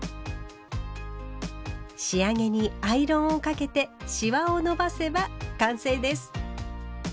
仕上げにアイロンをかけてシワを伸ばせば完成です。